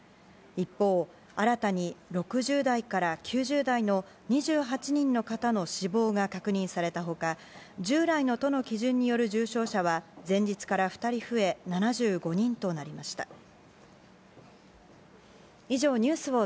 一方、新たに６０代から９０代の２８人の方の死亡が確認された他従来の都の基準による重症者は前日から２人増え７５人となりました。